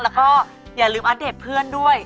แล้วก็อย่าลืมอัปเดตเพื่อนด้วย